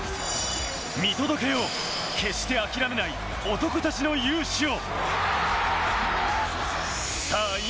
見届けよう、決して諦めない男たちの勇姿を。